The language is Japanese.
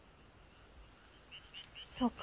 そうか。